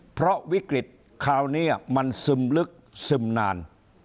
เพราะวิกฤตคราวนี้มันซึมลึกซึมนาน